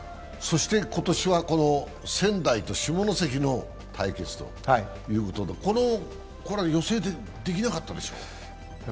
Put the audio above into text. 今年は仙台と下関の対決ということ、これは予想できなかったでしょ？